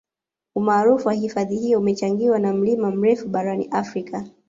umaarufu wa hifadhi hiyo umechangiwa na mlima mrefu barani afrika